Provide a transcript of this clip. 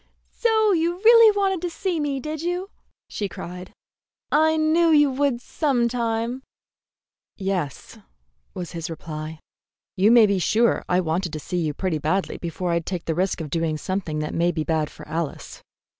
"So you really wanted to see me, did you?" she cried. "I knew you would some time." "Yes," was his reply. "You may be sure I wanted to see you pretty badly before I'd take the risk of doing something that may be bad for Alice."